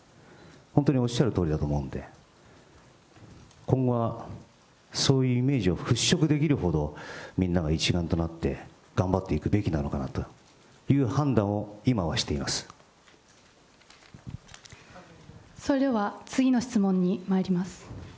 本当におっしゃるとおりだと思うので、今後はそういうイメージを払拭できるほど、みんなが一丸となって頑張っていくべきなのかなという判断を今はそれでは、次の質問にまいります。